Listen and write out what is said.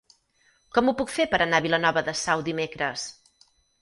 Com ho puc fer per anar a Vilanova de Sau dimecres?